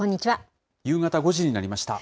夕方５時になりました。